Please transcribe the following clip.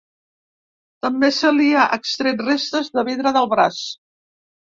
També se li ha extret restes de vidre del braç.